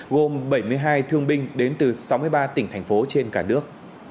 gồm bảy mươi hai thương binh đến từ sáu mươi ba tỉnh thành phố trên cả nước